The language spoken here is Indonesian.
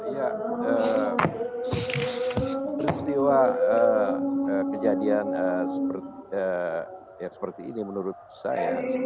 ya peristiwa kejadian yang seperti ini menurut saya